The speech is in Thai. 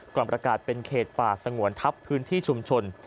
ก่อนประกาศเป็นเขตป่าสงวนทัพพื้นที่ชุมชน